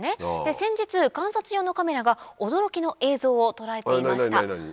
先日観察用のカメラが驚きの映像を捉えていました。